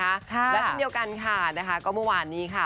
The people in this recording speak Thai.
และจนเดียวกันค่ะก็เมื่อวานนี้ค่ะ